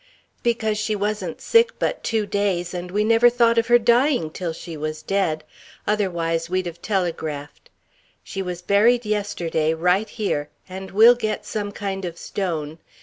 because she wasn't sick but two days and we never thought of her dying till she was dead. Otherwise we'd have telegraphed. She was buried yesterday, right here, and we'll get some kind of stone.